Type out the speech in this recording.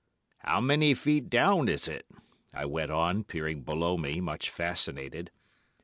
"'How many feet down is it?' I went on, peering below me, much fascinated.